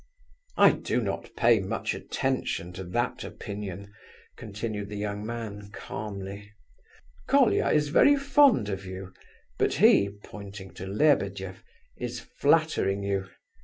"I do not pay much attention to that opinion," continued the young man calmly. "Colia is very fond of you, but he," pointing to Lebedeff, "is flattering you.